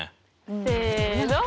せの。